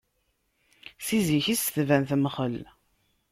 Si zik-is tban temxel.